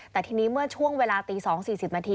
แต่ทีนี้เมื่อช่วงเวลาตี๒๔๐นาที